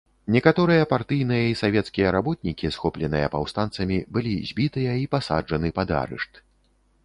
Некаторыя партыйныя і савецкія работнікі, схопленыя паўстанцамі, былі збітыя і пасаджаны пад арышт.